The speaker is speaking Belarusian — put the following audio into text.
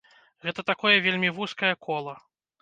Гэта такое вельмі вузкае кола.